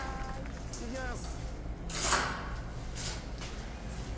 行きます！